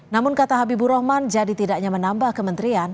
namun kata habibur rahman jadi tidaknya menambah kementerian